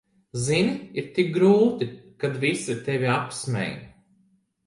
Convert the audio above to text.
Zini, ir tik grūti, kad visi tevi apsmej.